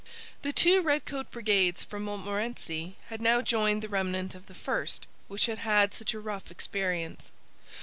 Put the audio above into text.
The two redcoat brigades from Montmorency had now joined the remnant of the first, which had had such a rough experience.